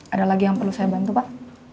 ada lagi yang perlu saya bantu pak